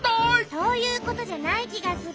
そういうことじゃないきがする。